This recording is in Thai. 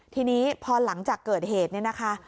ทีนี้พอหลังจากเกิดเหตุเนี่ยนะคะ